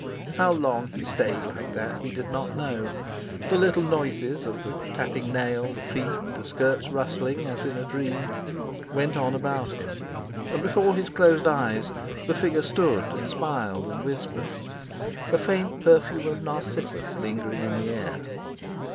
How long he stayed like that he did not know. The little noises—of the tapping nail, the feet, the skirts rustling—as in a dream—went on about him; and before his closed eyes the figure stood and smiled and whispered, a faint perfume of narcissus lingering in the air.